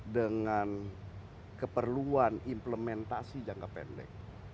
dengan keperluan implementasi jangka pendek